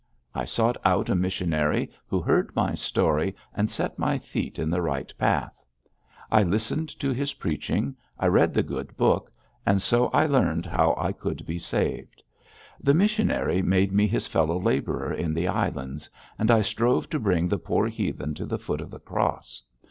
I sought out a missionary, who heard my story and set my feet in the right path. I listened to his preaching, I read the Good Book, and so learned how I could be saved. The missionary made me his fellow labourer in the islands, and I strove to bring the poor heathen to the foot of the cross.